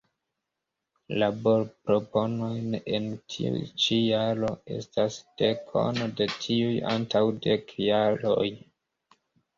Laborproponoj en tiu ĉi jaro estas dekono de tiuj antaŭ dek jaroj.